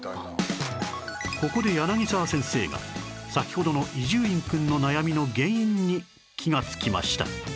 ここで柳沢先生が先ほどの伊集院くんの悩みの原因に気がつきました